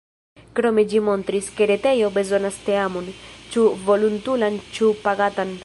Krome ĝi montris, ke retejo bezonas teamon, ĉu volontulan ĉu pagatan.